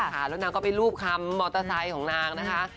แล้วนางก็ไปรูปคำมอเตอร์ไซค์ของนางนะคะ